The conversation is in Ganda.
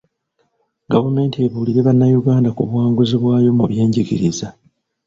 Gavumenti ebuulire Bannayuganda ku buwanguzi bwayo mu byenjigiriza